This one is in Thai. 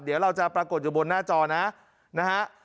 เดี๋ยวเราจะปรากฏอยู่บนหน้าจอนะนะฮะ